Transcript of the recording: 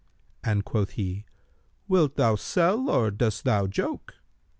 and quoth he, 'Wilt thou sell or dost thou joke?'